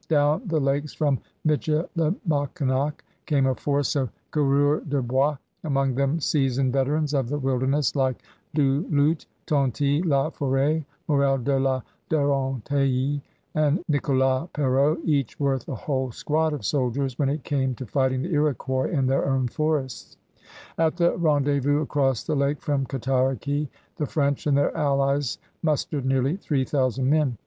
Down the lakes from Michilimackinac came a force of coureurs de bois, among them seasoned veterans of the wilderness like Du Lhut, Tonty, La ForSt, Morel de la Durantaye, and Nicholas Perrot, each worth a whole squad of soldiers when it came to fighting the Iroquois in their own forests. At the rendezvous across the lake from Cataraqui the French and their allies mustered nearly three thousand men.